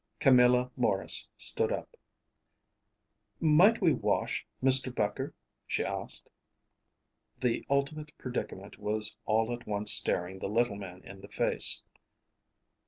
Camilla Maurice stood up. "Might we wash, Mr. Becher?" she asked. The ultimate predicament was all at once staring the little man in the face.